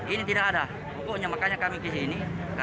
ini tidak ada pokoknya makanya kami ke sini